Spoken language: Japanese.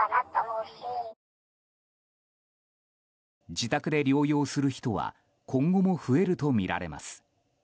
自宅で療養する人は今後も増えるとみられます。